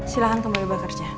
silahkan kembali bekerja